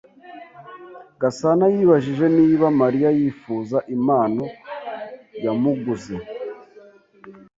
Gasana yibajije niba Mariya yifuza impano yamuguze.